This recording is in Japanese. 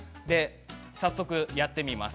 早速やってみます。